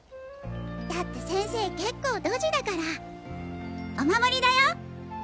だって先生けっこドジだからお守りだよ！